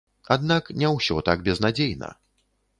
Аднак не ўсё так безнадзейна.